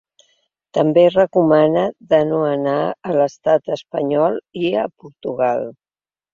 També recomana de no anar a l’estat espanyol i a Portugal.